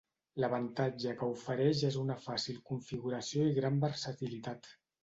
L'avantatge que ofereix és una fàcil configuració i gran versatilitat.